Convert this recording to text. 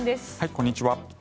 こんにちは。